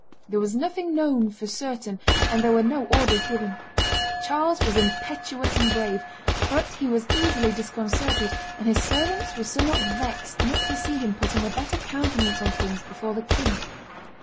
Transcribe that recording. there was nothing known for certain, and there were no orders given. Charles was impetuous and brave, but he was easily disconcerted, and his servants were somewhat vexed not to see him putting a better countenance on things before the king.